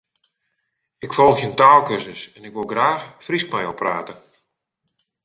Ik folgje in taalkursus en ik wol graach Frysk mei jo prate.